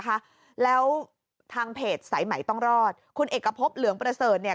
นะคะแล้วทางเพจสายใหม่ต้องรอดคุณเอกพบเหลืองประเสริฐเนี่ย